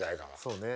そうね。